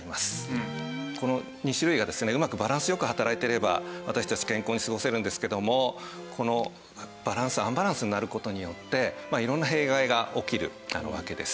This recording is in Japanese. この２種類がですねうまくバランス良く働いていれば私たち健康に過ごせるんですけどもこのバランスアンバランスになる事によって色んな弊害が起きるわけです。